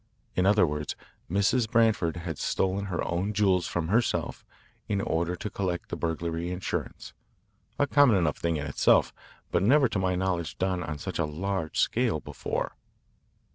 In other words, Mrs. Branford has stolen her own jewels from herself in order to collect the burglary insurance a common enough thing in itself, but never to my knowledge done on such a large scale before."